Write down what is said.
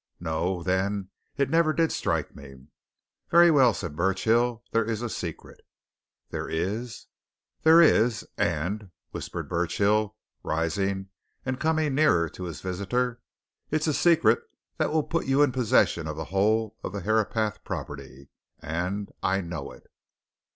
"No, then it never did strike me." "Very well," said Burchill. "There is a secret." "There is?" "There is! And," whispered Burchill, rising and coming nearer to his visitor, "it's a secret that will put you in possession of the whole of the Herapath property! And I know it."